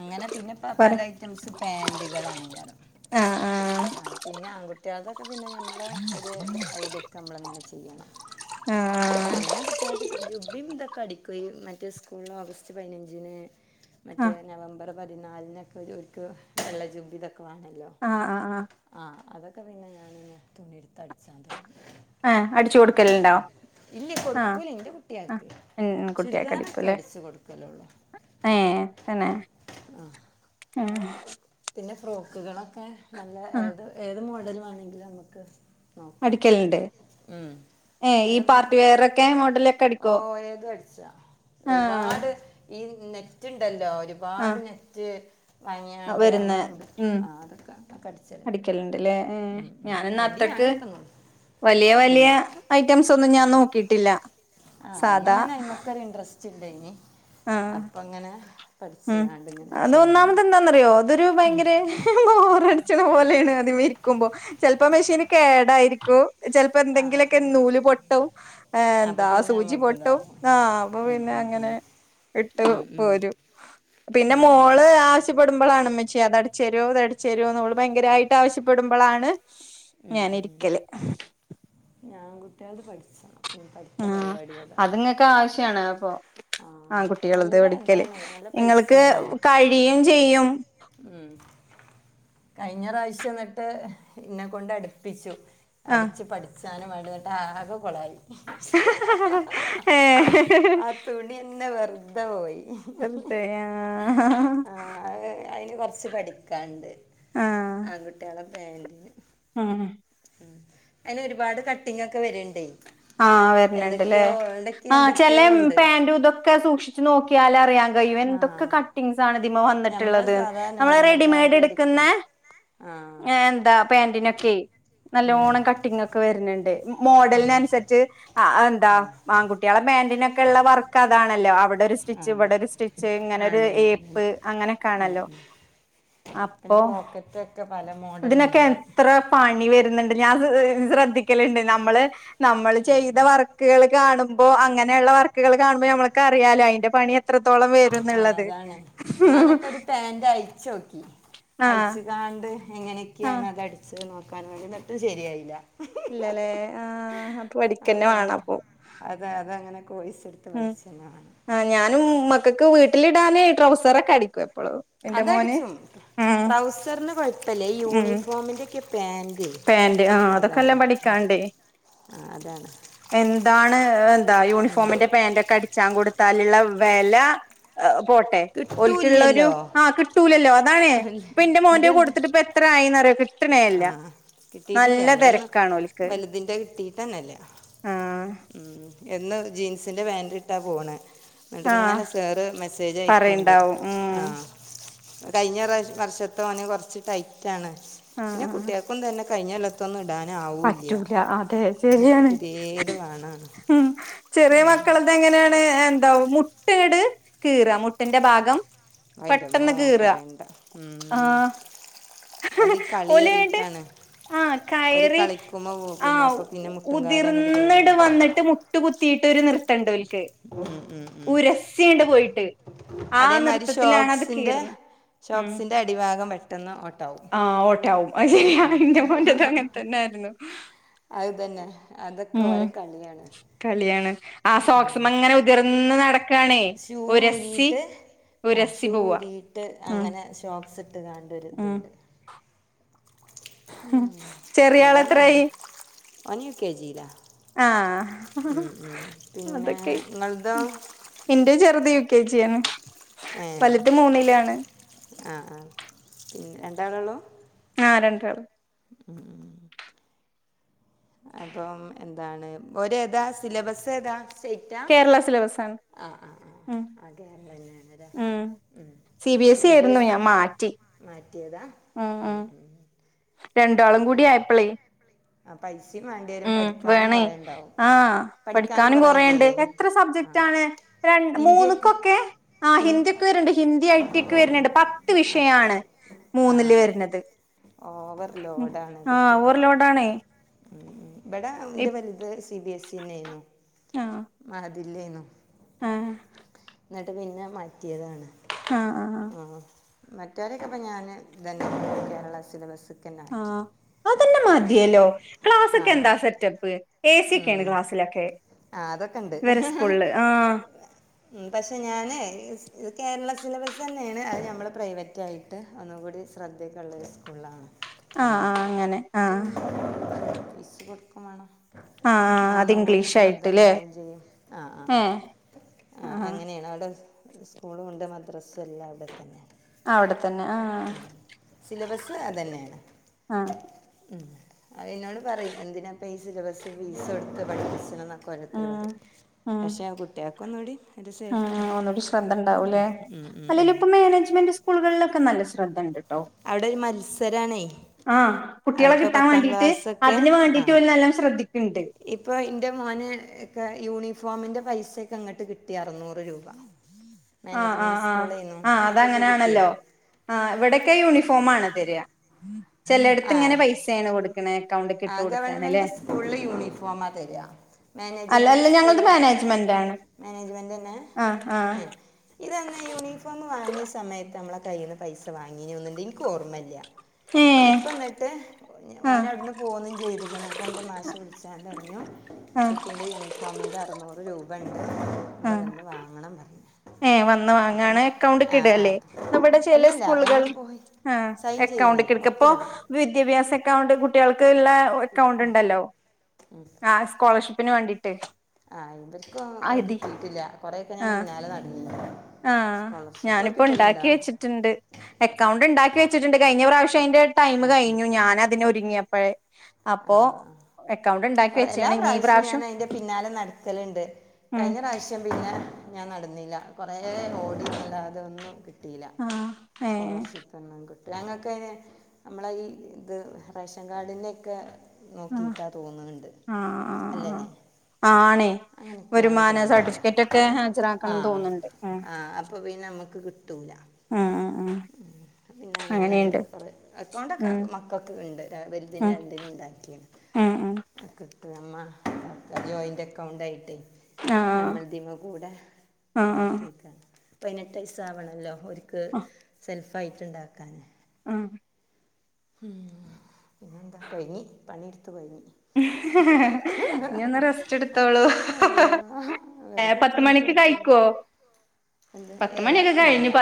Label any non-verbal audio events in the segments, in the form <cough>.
അങ്ങനെ പിന്നെപ്പ പറ പല ഐറ്റംസ് പാന്റുകളാണ് എകാരം. ആഹ് ആഹ് ആ പിന്നെ ആൺകുട്ടികളതൊക്കെ പിന്നെ ഞമ്മള ഒരു ഐഡിയ ഒക്കെ നമ്മളങ്ങനെ ചെയ്യണം. ആഹ്. ഞ അങ്ങനെ കുട്ടിയക്ക് ജുബ്ബ യും ഇതൊക്കെ അടിക്കും മറ്റേ സ്കൂളിൽ ഓഗസ്റ്റ് പയിനഞ്ചിന്. മറ്റേ ആഹ് നവംബർ പതിനാലിനൊക്കെര് ഓര്ക്ക് വെള്ളജുബ്ബ യും ഇതൊക്കെ വേണല്ലോ. ആഹ് ആ ആഹ് ആ അതൊക്കെ പിന്നെ ഞാനിന്നെ തുണിടുത്ത് അടിച്ചാ തുടങ്ങി. ആഹ് അടിച്ചു കൊടുക്കലുണ്ടോ ഇല്ല ആഹ് കൊടുക്കൂല എന്റെ ആഹ് കുട്ടിയക്ക്. ഉം ചുരിദാറൊക്കെ അടിച്ചു കൊടുക്കും. ക്കല ഉള്ളൂ. ഏ തന്നെ. ആ ആഹ് അതക്ക കൊടുക്കും പിന്നെ ഫ്രോക്കുകളൊക്കെ നല്ല ആഹ് ഏത്. ഏത് മോഡല് വേണങ്കിലും നമുക്ക്. നോക്കാം അടിക്കല്ണ്ട്. ഏ ഈ അത് പാർട്ടി വെയറക്കെ മോഡലൊക്കെ അടിക്കോ. ഓരേത് അടിച്ച ആഹ് ഒരുപാട് ഈ നെറ്റ്ണ്ടല്ലോ ഒരുപാട് ആഹ് നെറ്റ്. പനിയായൊണ്ട് വരുന്ന നമ്മൾ കൊടു ഉം ആ അതൊക്കെ അതൊക്കെ അടിക്കലുണ്ട് അടിക്കലുണ്ട്ല്ലേ ഏഹ് ഉം. ഞാനിന്ന് മടിയാണ് അത്രക്ക് ഇപ്പോന്ന്. വലിയ വലിയ ഐറ്റംസ് ഒന്നും ഞാൻ നോക്കിട്ടില്ല ആഹ് സാധാ അന്നങ്ങനെ അയിമക്കൊര് ഇൻട്രസ്റ്റ് ഇല്ലേ നി ആഹ് അപ്പൊ അങ്ങനെ പഠിച്ച് ഉം കണ്ട് ഇങ്ങനെ അത് ചെയ്തി ഒന്നാമത് എന്താന്നറിയോ അതൊരു ഭയങ്കര ബോറടിച്ചണ പോലെയാണ് അതിമ്മ രിക്കുമ്പോ ചെലപ്പോ മെഷീന് കേടായിരിക്കും ചെലപ്പോ ആ ആ എന്തെങ്കിലൊക്കെ നൂല് പൊട്ടും അപ്പം എന്താ പിന്നെ സൂചി നമുക്ക് പൊട്ടും ഇതാവും ആഹ് അപ്പം ഉം, പിന്നെ ഉം, ഉം. അങ്ങനെ ഇട്ട് ഉം, ഉം, പോരും പിന്നെ മോള് ആ വി ശ്യ പ്പെടു പ്പളാണ് ഇമ്മച്ചേ അത് അടിച്ച രോ ഇതട്ച്ച രോ ന്ന് ഓള് ഭയങ്കരമായിട്ട് ആവശ്യ പ്പെടുമ്പളാണ് ഉം ഉ ഞ്ഞ് ആകുട്ടിയാൾത് പഠിച്ച ണ്ണം ഞ്ഞ് പ്പം അടുത്ത പരിപാടി അതാണ് ക്കെ ആവശ്യാണ് അപ്പൊ ആ ആൺ കുട്ടിയാൾത് നല്ല പഠിക്കല് ഇതാണ് നല്ല നിങ്ങൾക്ക് കഴിയും ചെയ്യും ഉം കഴിഞ്ഞ റാശ്യം ന്നട്ട് ഇന്നെ കൊണ്ട് അടുപ്പിച്ചു ആ അടിച്ച് പഠിച്ചാനും വേണ്ടി ന്നട്ട് ആകെ കൊളായി ഏഹ് പിന്നെ വെറുതെ പോയി വറ് തെ ആഹ് അയിന് കൊറച്ച് പഠിക്കാണ്ട് ആൺകുട്ടിയാളെ പാന്റ് ന് മ് ഉം അയിന്ഒരുപാട് കട്ടിംഗ് ഒക്കെ വര്ണ്ടേ ആ വര്ണ് ണ്ട് ലേ ആ എന്തൊക്കെയോ ഉണ്ട് ചെലെപാന്റ് ഇതൊക്കെ സൂക്ഷിച്ച് നോ ക്കിയാല് അറിയാൻ കയ്യും എന്തൊക്കെ ആഹ് കട്ടിങ്സ് ആണ് ഇതിമ്മ ഞമ്മള് വന്നിട്ടുള്ളത് സാധാ നമ്മളെ നോർമൽ റെഡിമെയ്ഡ് പാന്റ് ട്ക്കുന്ന അടിക്ക്ണ ആഹ് എന്താ പാന്റ്നൊക്കെ ഉം നല്ലോണം കട്ടി ഒക്കെ വര്ന്ണ്ട് മോഡലിനനുസരി ച്ച് ആ എന്താ ആഹ് ആൺകുട്ടികളെ പാന്റ് നൊക്കെ ഉള്ള വർക്ക് അതാണല്ലോ അവിടെ ഒരു സ്റ്റിച്ച് ആഹ് അതെ ഇവിടെ ഒരു സ്റ്റി ച്ച് ഇങ്ങനെ ആഹ് ഒരു അതന്നെ അതന്നെ ഏപ്പ് ഉം അങ്ങനെക്കാണല്ലോ പിന്നെ അപ്പം പോക്കറ്റൊക്കെ പല ഇതിനൊക്കെ മോഡല്ണ്ട് എത്ര പണി വരുന്നുണ്ട് ഞാൻശ്ര ശ്രദ്ധിക്കലുണ്ട് നമ്മള് നമ്മള് ചെയ്ത ആഹ് വർ ക്ക്കൾ കാണുമ്പോ അങ്ങനെയുള്ള വർക്കുകൾ കാണുമ്പ നമ്മൾക്ക റിയാലോ അയിന്റെ പണി എ ആഹ് അതാണ് ഞാങ്ങട്ടൊരു പാന്റ് അഴിച്ചോക്കി ആഹ് അയ്ച്ച്കാണ്ട് ആഹ് എങ്ങനെയൊക്കെയാണ് അത് അടിച്ചത് നോക്കാൻ വേണ്ടി ന്നട്ടും ശരിയായില്ല ഇല്ലല്ലേ ആ അപ്പ പഠിക്കന്നെ വേണ അപ്പൊ അത അത അങ്ങനെ കോഴസ് എടുത്ത് പഠിച്ചന്നെ മാണ്ണം ആ ഞാനും മക്കൾക്ക് വീട്ടിലിടാന് ട്രൗസറൊക്കെ അടിക്കും എപ്പളും എന്റെ അത് മോന് അടിച്ചും ഉം ട്രൗസറിന് കുഴപ്പല്ല ഈ ഉം യൂണിഫോമിൻ്റെയൊക്കെ പാന്റ് പാന്റ് ആ അതൊക്കെ നല്ലോ പഠിക്കാണ്ടേ ആഹ് അതാണ് എന്താണ് എന്താ യൂണിഫോമിന്റെ പാന്റ് ഒക്കെ അടിച്ചാ കൊടു താല് ള്ള വെല പോട്ടെ ഓൽക്ക്ള്ള ഒരു കിട്ടൂല്ലല്ലോ ആ കിട്ടൂലല്ലോ അതാണേ ഇപ്പ ഇന്റെ മോന്റെ കൊടുത്തിട്ട് ഇപ്പ എ ത്രയിന്നറിയോ ആഹ് കിട്ടീട്ടില്ല ഇവിടെ ന്നും തിരക്കാണ് ഓൽക്ക് വലുതിന്റെ കിട്ടീട്ടന്നല്ല ആ മ് എന്നും ജീൻസിൻ്റെ പാന്റ് ഇട്ടാ പോണ ഇങ്ങട്ട് ആ ഇങ്ങനെ സാറ് മെസ്സേജ് അയക്ക്ണ്ട് പറയണ്ടാവും ഉം ആഹ് കഴിഞ്ഞ റാ വർഷത്തോഓന് കൊറ്ച്ച് ടൈറ്റ് ആണ് ആ <unintelligible> കുട്ട്യെൾക്കും തന്നെ കഴിഞ്ഞൊല്ല ത്തൊന്നും ടാനാവൂല്ല്യാ. പറ്റൂല അതെ ഇൻക്കു ശരിയാണ് പുത്യേത് വേണാണു. ഉം ചെറിയ മക്കളെത് എങ്ങനെണ് എന്താ മുട്ങ്ങട്ട് കീറാ. മുട്ട്ന്റെ ഭാഗം അയിന്റമ്മോ പെട്ടെന്ന് കീറ പറയണ്ട. ആ ഉം അത് കളി ഓല് ങ്ങട്ട് ഏറിട്ടാണ്. ആ ഓര് കയറി കളി ക്കുമ്പൊ വുകും. അപ്പൊ പിന്നെ മുട്ട്കാലങ്ങട്ട് കേട് വരും. എന്ന്ട്ട് മുട്ട് കുത്തിട്ടൊര് നിർ ത്തണ്ടോൽക്ക്. ഉം, ഉം, ഉം. ഉരസ്വേ ണ്ട് പോയിട്ട്. ആ അതേമാതിരി നിർത്തത്തിലാണ് അത് ഷോക്സിൻ്റെ കീറ്‌ന്നെ. ഉം. ഷോക്സിൻ്റെ അടിഭാഗം പെട്ടെന്ന് ഓട്ടാവും ആഹ് ഓട്ടാവും അത് ശരിയാണ്. ന്റെ മോന്റെത് അങ്ങൻ തന്നെ. ല്ലൊ അത് തെന്നെ. അതൊക്കെ ഓരെ കളിയാണ്. കളിയാണ്. ആ സോക്സ്മെങ്ങനെ ഉതിർന്ന് നടക്കണേ. ഉരസ്സി ആഹ് ഷൂ ഊരിയിട്ട് അങ്ങനെ ഷോക്സ്ട്ട് ങ്ങാണ്ട് ഒര് ഉം ത്ണ്ട്. ഉം ചെറിയ ഏതാലാണ് ആളെത്രായി ഓൻ യു കെ ജി ലാ. ആഹ് ഉം ഉം പിന്നേ. അതൊക്കെ ങ്ങൾതൊ? ഇന്റെ ചെറ്ത് യു കെ ജി യാണ്. ഏഹ് ആഹ്, ആഹ്. പിന്നെ രണ്ടാളൊള്ളൂ? ആഹ് രണ്ടാള്. ഉം ഉം ഉം അപ്പം എന്താണ്. പ്പൊ ഒര് ഏതാ സിലബെസ്സേതാ? കേരള സിലബസാണ്. ആഹ് ആഹ് ഉം ആഹ് അതെ ന്നെയാണ് ലെ. ഉം സി ബി എസ് ഇ ആയിരുന്നു ഞാ മാറ്റി. മാറ്റിയതാ. ഉം ഉം ഉം രണ്ടാളും കൂടി ആയപ്പളെ. ആ പൈസയും വേണ്ടി വരും ഉം പഠിക്കാനും വേണെ. കൊറേ ഉണ്ടാവും ആഹ് പഠിക്കാനും കൊറേണ്ട്. എത്ര ആ സബ്ജക്റ്റാണ്. രണ്ട്, ഹിന്ദിയൊക്കെ മൂന്നക്കൊക്കെ ആഹ് ഹിൻ ഹിന്ദി ഒക്കെ വെര്ണ്ട്. ഹിന്ദി, ഐ ടി ക്കെ വെര്ന്ണ്ട്. പത്ത് ആ വിഷയാണ്. ആ മൂന്ന്ല് അതെ വെര്നെത്. ഓവർ ലോഡാണ് ആഹ് ഒര് വ കുട്ടികൾക്ക് ലോഡാണെ. ഉം ഉം. ബെടെ ന്റെ വെൽത് സി ബിഎസ് സി എന്നേണ്. ആഹ് മഹദി ൻലേണ്. ആഹ് ന്നെട്ട് പിന്നെ മാറ്റിയതാണ്. ആഹ് മറ്റാരൊക്കെ പ്പം ഞാന് തെന്നെ കേരളാ സിലബസ്. ആഹ് അതന്നെ മതിയല്ലോ. ആ ക്ലാസൊക്കെ എന്താ സെറ്റപ്പ്. ഏ സി യൊക്കേണ് ഉം ക്ലാസ്സിലൊക്കെ. ആ അതൊക്കെ വരെ ഉണ്ട് സ്ക്കൂൾല്. ആ ഹ് ഉം. പക്ഷെ ഞാന് ഇസ് ഇ കേരള സിലബസെന്നേണ്. അത് ഞമ്മളെ പ്രൈവറ്റായി ട്ട് ഒന്നും കൂടി ശ്രദ്ധക്കെള്ളാരു സ്കൂൾലാണ്. ആഹ് ആഹ് പറഞ്ഞേക്ക്ണെ. അങ്ങനെ ആഹ് ഫീസ് കൊട്ക്കും വേണം. ആഹ് ന്നാ അത് ഒന്നും കൂടി ശ്രദ്ധ ഇംഗ്ലീഷായിട്ട്ല്ലേ ണ്ടാവും ചെയ്യും. ആഹ് ആഹ് ഏ ആഹ്. ആഹ് അങ്ങനെയാണ്. അവ്ടെ സ് സ്ക്കൂളൂണ്ട്, മദ്രസെ എല്ലാ അവ്ടെ തെന്നെ. അവിടെത്തന്നെ ആഹ് ഉം. സിലബസ് അതെന്നേണ്. ആഹ് ഉം. അഹ് ന്നോട് പറയും എന്തിനാ പ്പ ഈ സിലബസ് ഫീസൊട്ത്ത് പഠിപ്പിച്ച്ണെ ന്നൊ... ക്കെ ഓരോര്ത്തെര് ഉം പറയും. പക്ഷെ അത് കുട്ട്യെൾക്കൊന്നൂടി ആഹ് ഒന്നൂടി ശ്രദ്ധ ണ്ടാവുലെ. അല്ലേലും ഇപ്പം മാനേജ്മെന്റ് സ്കൂൾകളിലൊക്കെ നല്ല ശ്രദ്ധണ്ട്. അവ്ടെ ഒരു മത്സരാണെ. ആഹ് കുട്ട്യാളെ കിട്ടാം വേണ്ടിയിട്ട് അതിന് വേണ്ടിട്ട് ഓല് നല്ലോം ശ്രദ്ധിക്ക്ണ്ട്. ഇപ്പോൾ എൻ്റെ മോന് ഒക്കെ യൂണിഫോമിൻ്റെ പൈസയൊക്കെ ഇങ്ങോട്ട് കിട്ടി അറുന്നൂറ് രൂപ ആഹ് മാനേജ്മെന്റ് ആഹ് ആഹ് സ്കൂളേന്നു ആഹ് ഇങ്ങക്കൊക്കെ കിട്ടിയോ അതങ്ങനെയാണല്ലോ ആഹ് ഇവിടെൊക്കെ യൂണിഫോം ആണ തരിക ചിലടത്ത് ഇങ്ങനെ പൈസയാണ് കൊടുക്ക <unintelligible> അക്കൗണ്ട് ആഹ് ഗവൺമെന്റ് സ്കൂള് യൂണിഫോമാ തോര അല്ല മാനേജ്മെന്റ് അല്ല സ്കൂൾ ഞങ്ങളത് മാനേജ്മെന്റ് ആണ് മാനേജ്മെന്റ്ന്നെ ആഹ് ആഹ് ഏ ഇതന്ന യൂണിഫോം വാങ്ങിയ സമയത്ത് നമ്മളെ കഴൽുന്ന പൈസ വാങ്ങീ ഒന്നിണ്ട് എനിക്ക് ഓർമ്മല്ല ഏഹ് ഇപ്പ എന്നിട്ട് ഓന ആഹ് അവിടുന്ന് ചെയ് രണ്ട് മാശ് വിളിച്ചറിഞ്ഞു ആഹ് കുട്ടി നെ യുനിഫോ ഫോമിൻ്റെ അറുന്നൂറ് രൂപ ഉണ്ട് നിങ്ങൾ വന്ന് വാങ്ങണം പറഞ്ഞു ഏയ് വന്ന് അപ്പം വാങ്ങാണ് അക്കൗണ്ട് ആ ആ കിടല്ലേ വിടെ ചെല അല്ലല്ല സ്കൂളുകൾ നമ്മൾ പോയി ആഹ് സൈൻ ചെയ്യണേ അക്കൗണ്ടക്ക എടുക്കപ്പോ ഒപ്പിടണം വിദ്യാഭ്യാസ അക്കൗണ്ട് കുട്ടികൾക്ക്ള്ള അക്കൗണ്ട് ഉണ്ടല്ലോ അഹ് സ്കോളർഷിപ്പ് <unintelligible> ന് വേണ്ടീട്ട് ആഹ് ഇമ്പക്കും കിട്ടിട്ടില്ല കൊറെയൊക്കെ ഞാൻ ആഹ് പിന്നാലെ നടന്ന്നീ ആഹ് ഞാനിപ്പോ ണ്ടാക്കി വെച്ചിട്ടുണ്ട്. അക്കൗണ്ട് ണ്ടാക്കി വെച്ചിട്ടുണ്ട് കഴിഞ്ഞ പ്രാവശ്യം അയ്ന്റെ ടൈമ് ആ ആ കഴിഞ്ഞു ഞാൻ അതിന് രുങ്ങിയപ്പഴേ ആഹ് ആഹ് കൊറെ എല്ലാ വെച്ചാണ് ഇനി ഈ പ്രാവശ്യവും ഞാൻ പ്രാവശ്യം അതിന്റെ പിന്നാലെ നടക്കല്ണ്ട് ഉം കഴിഞ്ഞ പ്രാവശ്യം പിന്നെ ഞാൻ നടന്നില്ല കുറെഓടിന്നല്ലാതൊന്നും കിട്ടില്ല ആഹ് ഏഹ് സ്കോളർഷിപ്പ്. <unintelligible> ഞങ്ങക്കയ്ന് നമ്മളെ ഈ ഇത് റേഷൻ കാഡിൻ്റെക്കെ ആഹ് നോക്കിട്ടാ തോന്ന്ണ്ണ്ട് ആഹ് അല്ലേ ആഹ് ആണേ അങ്ങനൊക്കെയാണ് വരുമാന തോന്ന്ണ് സർട്ടിഫിക്കറ്റ് ഒക്കെ ഹാജരാക്കണം ആഹ് തോന്നുന്നുണ്ട് ഉം ആഹ് അപ്പോ പിന്നെ നമുക്ക് കിട്ടൂല ഉം ഉം ഉം പിന്നെ ഞാൻ അയ്ന് അങ്ങനെയുണ്ട് അത്ര അക്കണ്ടൊക്കെ ഉം മക്കൾക്ക്‌ണ്ട് വലുത് ഉം രണ്ടിനും ഉണ്ടാക്കിണ്. ഉം ഉം <unintelligible> ജോയിന്റ് അക്കൗണ്ട് ആയിട്ടേ ആഹ് ഞമ്മളെ ദീമകൂടെ ആഹ് ആഹ് ഉണ്ടാക്കിേക്ക പതിനെട്ട് വയസാവണല്ലോ ഓര് ക്ക് ആഹ് സെൽഫായിട്ട്ണ്ടാക്കാന് ആഹ് ഉം പിന്നെന്താ കൊയങ്ങി പണിട്ത്ത് കൊയങ്ങി ഇനി ഒന്ന് റെസ്റ്റ് എടുത്തോളൂ... ഏഹ് വെറുതെ ഒക്കെ പത്ത് എനിക്ക് മണിക്ക് പറ്റില്ല കഴിക്കോ? എന്ത് ഏയ് അതൊന്നുല്ല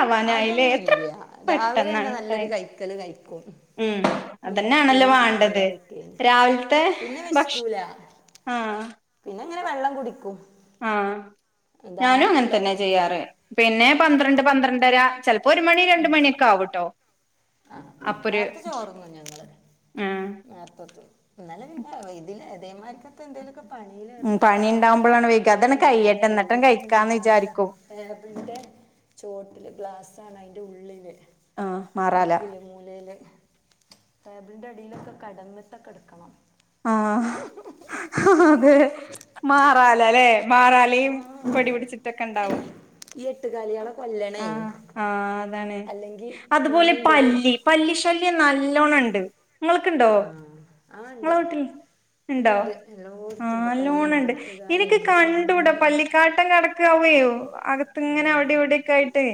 ആവാനായില്ലേ എത്ര അതൊന്നുല്ല്യ രാവിലെ തന്നെ പെട്ടെന്നാണ് നല്ലൊരു ടൈം കൈക്കല് കൈ ക്കും. ഉം അതന്നണല്ലോ വാണ്ടത് കറിയൊക്കെയാണ് രാവിൽത്തെ പിന്നെ ഭക്ഷ വിശക്കൂല ആഹ് പിന്നെ ങ്ങനെ വെള്ളം കുടിക്കും. ആഹ് ഞാനും ദാഹം ഉണ്ടാവും അങ്ങൻതന്നെ അപ്പം ചെയ്യാറ് പിന്നെ പന്ത്രണ്ട് പന്ത്രണ്ടര ചെലപ്പോ ഒരു മണി രണ്ട് മണിയൊക്കെ ആവുട്ടോ ആ അപ്പൊര് നേരത്തെ ഏഹ് നേർത്തെത്തുംഇന്നലെ പിന്നെ ഇതില് ഇതേമാരിക്കത്ത എന്തേലൊക്കെ ഉം പണി പണിലേർപ്പെട്ടാൽ ഉണ്ടാവുമ്പോഴാണ് വൈക അതാണ് അഹ് ൻ്റെ റബ്ബേ കയ്യട്ടെ എന്നിട്ടും എവിടൊക്കെണ് കഴിക്കാന്ന് മാറാല വിചാരിക്കും അറിയോ? ടാബ്ളിന്റെ ചോട്ടില് ഗ്ലാസ്സ ആാണ് അയിൻറെ ഉള്ളില് ആഹ് മാറാല മൂലയില്, ടേബിളിന്റെ അടിയിലൊക്കെ കടന്ന്ട്ടൊക്കെ ഇട്ക്കണം ആഹ് അതെ മാറാലല്ലേ മാറാലയും പൊടിപിടിച്ച്ട്ടൊക്കെണ്ടാവും ഈ എട്ടുകാലികളെ കൊല്ലണേ ആഹ് ആഹ്, അതാണ് അല്ലെങ്കിൽ അതുപോലെ പിന്നെയും പേര് പല്ലി പല്ലിശല്യം നല്ലോണണ്ട് ഇങ്ങൾക്ക്ണ്ടോ ആഹ് ഇണ്ട്. ഇണ്ടോ, ആഹ് പല്ലിയുണ്ട് നല്ലോണണ്ട്. ഇന്ക്ക് എട്ടുകാലുണ്ട് കണ്ടൂട ചോണനുണ്ട് പല്ലിക്കാട്ടം കാട്ടം കട് ക്കാവുകയോ അകത്ത് ഇങ്ങനെ അവടിം ഇവടിയൊക്കെ ആയിട്ട്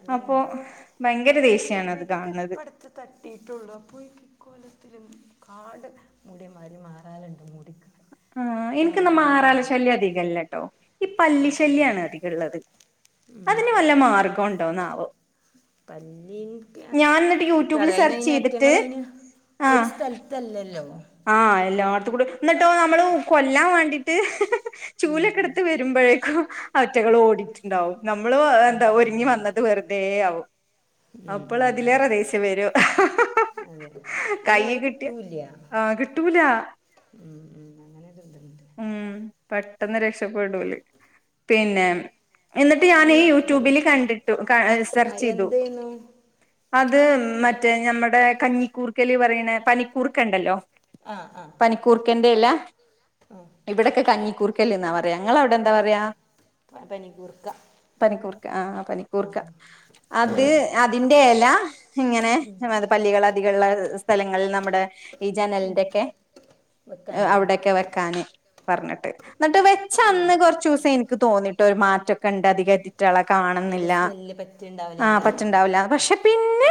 അത് അപ്പൊ തന്നെ ഭയങ്കര ദേഷ്യണ് അത് കാണ്ണത് തട്ടിട്ടൊള്ളു അപ്പോയേക്കും ഇക്കോലത്തില് കാട് മുടി മാതിരി മാറാലണ്ട് മൂടിക്ക് ആഹ് ഇൻക്ന്നാ മാറാല ശല്യം അധികല്ലട്ടോ ഈ പല്ലി ഇവിടെ എല്ലാം ശല്യണ് ഉണ്ട് അധികള്ളത് ഉം. അതിന് വല്ല മാർഗംണ്ടോന്നാവോ പല്ലി ക്ക്‌ യൂട്യൂബിൽ ഇൻകറിയാം അതിന് സെർച്ച് അയ്ന് ചെയ്തിട്ട് അയിറ്റങ്ങളയ്ന് ഒര് സ്ഥതൽ ത്തല്ലല്ലോ ആഹ് എല്ലാട്ത്തുകൂടി ഇന്നട്ടോ നമ്മള് കൊല്ലാൻ വേണ്ടിട്ട് ഉം. ചൂലൊക്കെ ഇട് ത്ത് വരുമ്പഴേക്കും അയിറ്റങ്ങള് ഓടിട്ട്ണ്ടാവും നമ്മള് ഏഹ് ആ, എന്താ ആ. ഒരുങ്ങി വന്നത് വെറുതെ ആവും ഉം, അപ്പള് ഉം. അതിലേറെ ദേഷ്യം വരും അതെ <inaudible> അതിന് കൈയ്യ് വരെ കിട്ടിയ കിട്ടൂല ആഹ് കിട്ടൂലാ <inaudible> ഉം, ഉം. അങ്ങനെ ഒരു ഇതുണ്ട് ഹ്മ്മ് പെട്ടെന്ന് രക്ഷപ്പെടും ഓല് പിന്നെ എന്നിട്ട് ഞാന് നല്ല യൂട്യൂബില് അത്യാവശ്യം. കണ്ടിട്ടു ക ആ സെർചെയ്‌തു എന്ത് ചെയ്യുന്നു അത് മറ്റേ ഞമ്മുടെ കഞ്ഞിക്കൂർക്കല് പറിണെ പനിക്കൂർക്ക ഇണ്ടല്ലോ ആ ആ പനിക്കൂർക്കന്റ ഇല, ഇവടൊക്കെ കഞ്ഞിക്കൂർക്കല് എന്നാ പറയാ ഇങ്ങളവിടെ എന്തപറയാ ആ പനികൂർക്ക <inaudible> പനിക്കൂർക്ക ആഹ് ആ പനിക്കൂർക്ക ആ അത് അതിന്റെ എല ഇങ്ങനെ നട് പല്ലികൾ അധികള്ള സ്ഥലങ്ങളിൽ നമ്മുടെ ഈ ജനൽന്റക്കെ വെക്കാനോ അവിടെക്കെ വെക്കാൻ പറഞ്ഞിട്ട് ഇന്നട്ട് ഉം. വെച്ചന്ന് കൊറച്ചൂസം ഇൻക്ക് തോന്നിയിട്ടൊ ഒര് മാറ്റൊക്കെണ്ട് അധികതി റ്റളെ അതിന്റെ കാണുന്നില്ല സ്മെല്ല് ആ പറ്റിണ്ടാവില്ലേങ്ക പച്ചണ്ടാവുല്ല പക്ഷെ പിന്നെ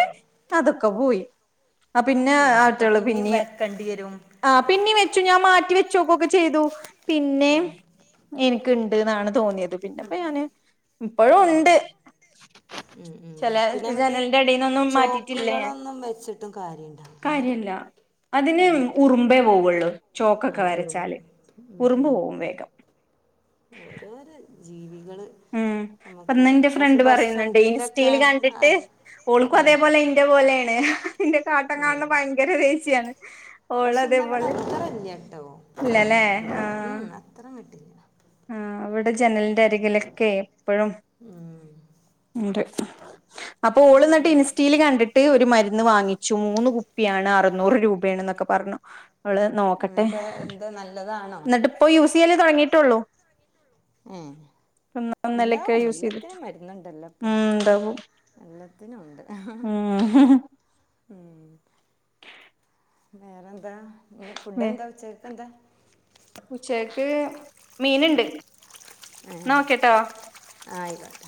അതൊക്കെ പോയി. ആ പിന്നെ ആറ്റള് പിന്നിം ക്കണ്ടീയരും ആഹ് പിന്നിം വെച്ചു ഞാൻ മാറ്റി വെച്ചോക്കൊക്കെ ചെയ്തു പിന്നെയും ഉം. ഇന്ക്ക്ണ്ട്ന്നാണ് തോന്നിയത് പിന്നെപ്പ ഞാന് ഇപ്പഴുണ്ട്. ഹ്മ്മ് ഹ്മ്മ്, പിന്നെ മറ്റെ ജനലിന്റെ അടീന്നൊന്നും മാറ്റിയിട്ടില്ല ഞാൻ ചോക്കുകളൊന്നും വെച്ചിട്ടും കാര്യല്ലാ കാര്യല്ല. അതിന് ഉറുമ്പേ പോവൊള്ളൂ ആ ചോക്കൊക്കെ ഉറുമ്പ് വരച്ചാല് ഉം. ഉറുമ്പ് ഉം. പോവും വേഗം ഓരോരോ ജീവികള് ഹ്മ്മ് നമുക്ക് ഇപ്പന്ന് ഇന്റെ പക്ഷെ ഫ്രണ്ട് പറയുന്നുണ്ട് ഭക്ഷണത്തിലൊക്കെ ഇൻസ്റ്റേല് ആ കണ്ടിട്ട് ഓൾക്കും ഉം. അതേപോലെ ഇ ന്റെ പോലെണ് അയിന്റെ കാട്ടം ഉം. കാണ്ണെ ഭയങ്കര ദേഷ്യാണ് ഓള് പക്ഷെ ഇന്നാ ഇവടെ അതേപോലെ അത്രല്ലട്ടോ, ഇല്ലല്ലേ ആഹ് ഹ്മ്മ് അത്രല്ല ആഹ് ഇവടെ ജനലിന്റെ അരികിലൊക്കെ എപ്പഴും ഉം. ഇണ്ട്, അപ്പോള്ന്ന്ട്ട് ഇൻസ്റ്റയില് കണ്ടിട്ട് ട്ട് ഒരു മരുന്ന് വാങ്ങിച്ചു മൂന്ന് കുപ്പിയാണ് അറുന്നൂറ് രൂപേണ് എന്നൊക്കെ പറഞ്ഞു അവള് നോക്കട്ടെ, എന്നിട്ട് എന്താ നല്ലതാണോ ഇന്നട്ട് ഇപ്പോ യൂസെയ്യല് തൊടങ്ങിട്ടൊള്ളൂ ഏഹ് ഒന്നലൊക്കെ ണ്ടാവും യൂസ് ചെയ്തിട്ട് എല്ലാത്തിനും മരുന്നുണ്ടല്ലോ ഇപ്പൊ ഉം ഉണ്ടാവും എല്ലത്തിനൊണ്ട് ഉം ഉം <inaudible> വേറെ എന്താ നി ഫുഡ് എന്താച്ചേ ക്ക് എന്താ ഉച്ചക്ക് മീനിണ്ട് ആഹ് <unintelligible>